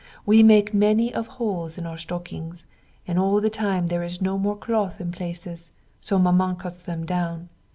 We make many of holes in our stockings and all the time there is no more cloth in places, so Maman cuts them down.